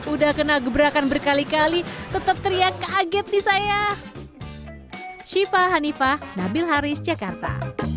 udah kena gebrakan berkali kali tetep teriak kaget nih saya